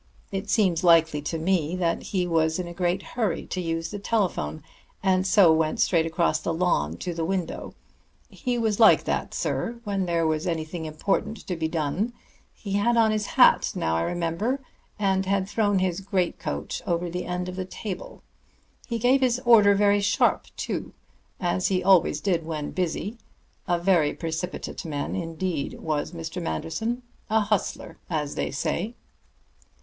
It seems likely to me that he was in a great hurry to use the telephone, and so went straight across the lawn to the window he was like that, sir, when there was anything important to be done. He had on his hat, now I remember, and had thrown his great coat over the end of the table. He gave his order very sharp, too, as he always did when busy. A very precipitate man indeed, was Mr. Manderson; a hustler, as they say."